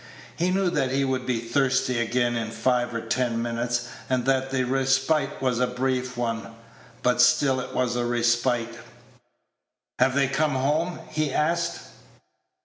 He knew that he would be thirsty again in five or ten minutes and that the respite was a brief one; but still it was a respite. "Have they come home?" he asked.